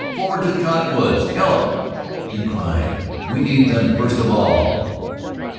"Forward to the cottonwoods. Gallop!" he cried. "We need them first of all!"